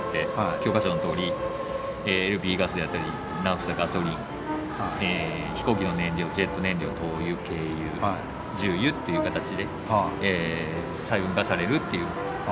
教科書のとおりＬＰガスであったりナフサガソリン飛行機の燃料ジェット燃料灯油軽油重油っていう形で細分化されるっていう工程になります。